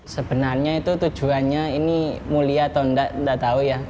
sebenarnya itu tujuannya ini mulia atau enggak enggak tahu ya